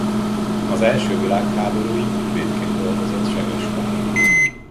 Az első világháborúig ügyvédként dolgozott Segesváron.